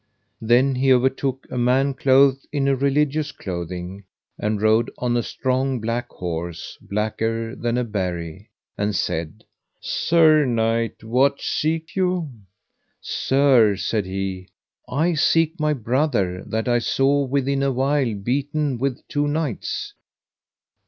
Then he overtook a man clothed in a religious clothing; and rode on a strong black horse blacker than a berry, and said: Sir knight, what seek you? Sir, said he, I seek my brother that I saw within a while beaten with two knights.